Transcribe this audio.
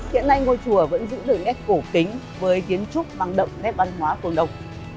hiện nay ngôi chùa vẫn giữ được nét cổ tính với kiến trúc băng động nét văn hóa cộng đồng